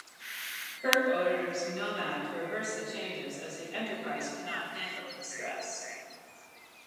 Kirk orders Nomad to reverse the changes, as the "Enterprise" cannot handle the stress.